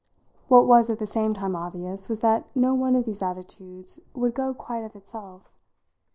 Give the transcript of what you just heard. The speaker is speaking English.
What was at the same time obvious was that no one of these attitudes would go quite of itself.